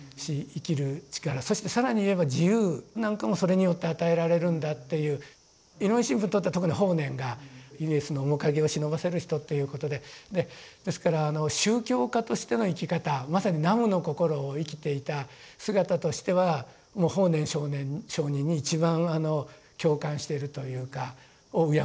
生きる力そして更に言えば自由なんかもそれによって与えられるんだっていう井上神父にとっては特に法然がイエスの面影をしのばせる人っていうことでですから宗教家としての生き方まさに「南無」の心を生きていた姿としては法然上人に一番共感しているというか敬っていたというところがあります。